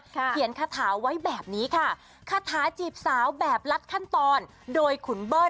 เขียนคาถาไว้แบบนี้ค่ะคาถาจีบสาวแบบลัดขั้นตอนโดยขุนเบิ้ล